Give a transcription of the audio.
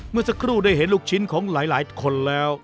เมื่อสักครู่ได้เห็นลูกชิ้นของหลายคนแล้ว